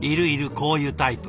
こういうタイプ。